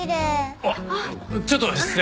あっちょっと失礼。